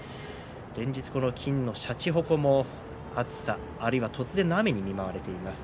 連日、この金のしゃちほこも暑さ、突然の雨に見舞われています。